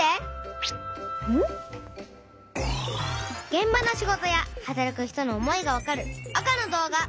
げん場の仕事や働く人の思いがわかる赤の動画。